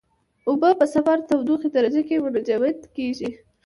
اوبه په صفر تودوخې درجه کې منجمد کیږي.